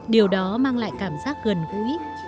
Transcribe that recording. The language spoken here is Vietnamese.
điều đó mang lại cảm giác gần gũi